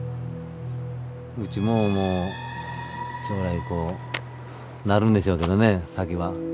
うちももう将来こうなるんでしょうけどね先は。